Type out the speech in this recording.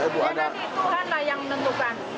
ya nanti tuhan lah yang menentukan